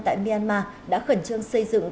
tại myanmar đã khẩn trương xây dựng